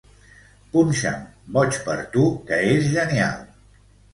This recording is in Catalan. Punxa'm "Boig per tu", que és genial.